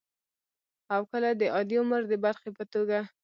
او کله د عادي عمر د برخې په توګه